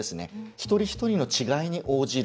一人一人の違いに応じる。